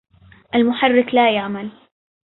المحرك لا يعمل.